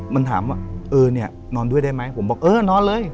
มันถามว่าเออเนี่ยนอนด้วยได้ไหมผมบอกเออนอนเลย